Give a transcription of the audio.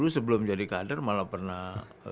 sebelum jadi kader malah pernah